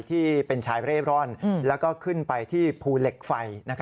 ที่เป็นชายเร่ร่อนแล้วก็ขึ้นไปที่ภูเหล็กไฟ